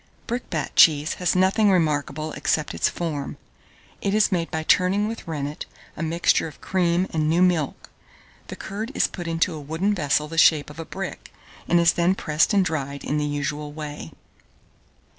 Brickbat cheese has nothing remarkable except its form. It is made by turning with rennet a mixture of cream and new milk. The curd is put into a wooden vessel the shape of a brick, and is then pressed and dried in the usual way.